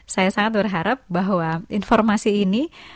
saya sangat berharap bahwa informasi ini